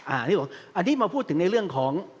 อันนี้มาพูดถึงในเรื่องของ